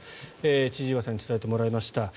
千々岩さんに伝えてもらいました。